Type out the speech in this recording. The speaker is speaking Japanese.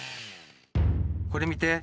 これ、見て。